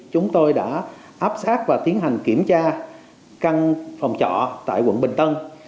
chúng tôi đã áp sát và tiến hành kiểm tra căn phòng trọ tại quận bình tân